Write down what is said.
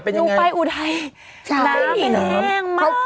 เป็นยังไงหนูไปอู่ไท้ใช่น้ำแห้งมาก